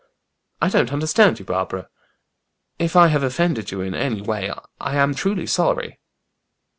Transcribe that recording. "I don't understand you, Barbara. If I have offended you in any way, I am truly sorry."